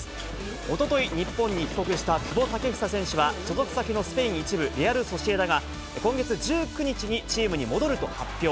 おととい、日本に帰国した久保建英選手は、所属先のスペイン１部・レアル・ソシエダが、今月１９日にチームに戻ると発表。